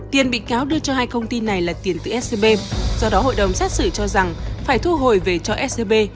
tiền bị cáo đưa cho hai công ty này là tiền từ scb do đó hội đồng xét xử cho rằng phải thu hồi về cho scb